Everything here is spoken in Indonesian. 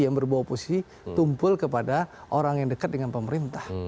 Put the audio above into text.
yang berbau posisi tumpul kepada orang yang dekat dengan pemerintah